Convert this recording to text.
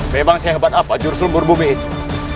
memang sehebat apa jurus lumpur bumi itu